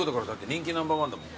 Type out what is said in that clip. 人気ナンバー１だもん。